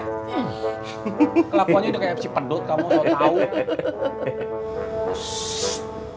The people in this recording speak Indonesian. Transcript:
kelakuan dia udah kayak si padot kamu sok tau